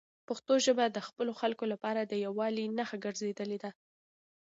پښتو ژبه د خپلو خلکو لپاره د یووالي نښه ګرځېدلې ده.